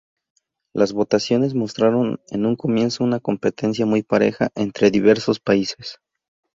Las votaciones mostraron en un comienzo una competencia muy pareja entre diversos países.